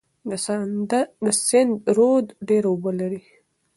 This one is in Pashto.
د سند رود ډیر اوبه لري.